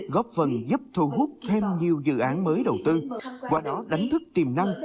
góp phần giúp thu hút thêm nhiều dự án mới đầu tư qua đó đánh thức tiềm năng